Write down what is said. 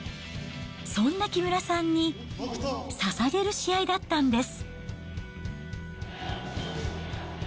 そんな木村さんにささげる試合だったんです。